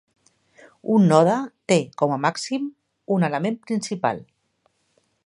Un node té com a màxim un element principal.